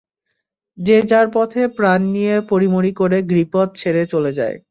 যে যার পথে প্রাণ নিয়ে পড়ি মরি করে গিরিপথ ছেড়ে চলে যায়।